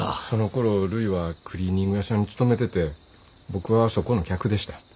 そのころるいはクリーニング屋さんに勤めてて僕はそこの客でした。